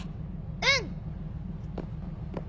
うん！